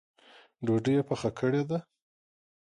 ډوډۍ یې پخه کړې ده؟